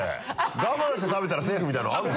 我慢して食べたらセーフみたいなのあるの？